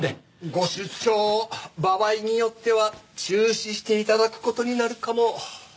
ご出張場合によっては中止して頂く事になるかも。